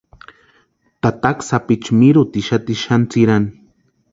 Tataka sapichu mirhutixati xani tsʼirani.